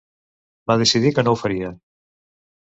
Va decidir que no ho faria.